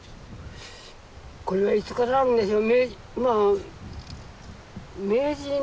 これはいつからあるんでしょう。